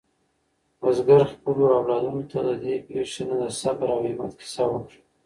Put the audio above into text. بزګر خپلو اولادونو ته د دې پېښې نه د صبر او همت کیسه وکړه.